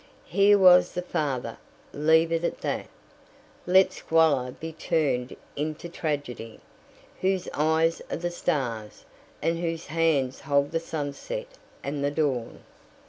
Here was the father; leave it at that. Let Squalor be turned into Tragedy, whose eyes are the stars, and whose hands hold the sunset and the dawn.